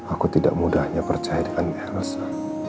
aku tidak mudahnya percaya dengan elsa